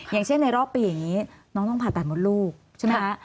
อย่างเช่นในรอบปีอย่างนี้น้องต้องผ่าตัดมดลูกใช่ไหมคะ